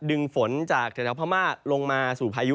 ดึงฝนจากเฉพาะพม่าลงมาสู่พายุ